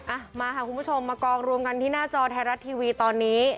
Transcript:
อ่ะมาค่ะคุณผู้ชมมากองรวมกันที่หน้าจอไทยรัฐทีวีตอนนี้